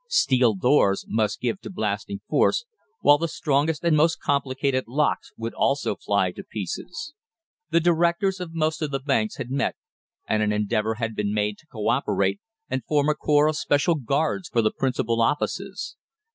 Steel doors must give to blasting force, while the strongest and most complicated locks would also fly to pieces. The directors of most of the banks had met and an endeavour had been made to co operate and form a corps of special guards for the principal offices.